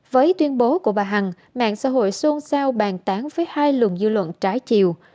với tuyên bố của bà hằng mạng xã hội xôn xao bàn tán với hai lùng dư luận trái chiều